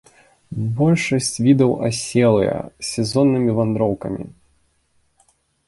Большасць відаў аселыя, з сезоннымі вандроўкамі.